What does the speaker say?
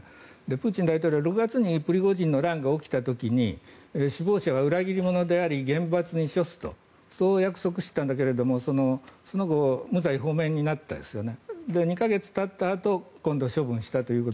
プーチン大統領は６月にプリゴジン氏の乱が起きた時に首謀者が裏切り者であり厳罰に処すとそう約束していたんだけどその後無罪放免になりましたよね。